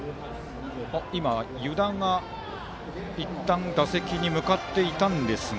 湯田が、いったん打席に向かっていたんですが。